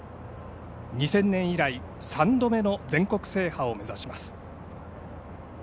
２０００年以来３度目の全国制覇を目指します。